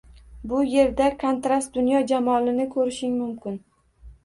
Bu yerda kontrast dunyo jamolini ko‘rishing mumkin